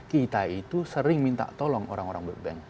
kita itu sering minta tolong orang orang world bank